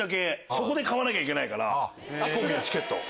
そこで買わなきゃいけないから飛行機のチケット。